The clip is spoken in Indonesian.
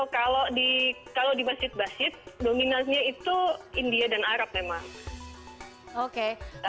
kalau di masjid masjid dominasinya itu india dan arab memang